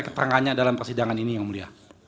tetangganya dalam persidangan ini yang mulya